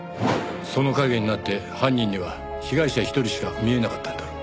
その陰になって犯人には被害者一人しか見えなかったんだろう。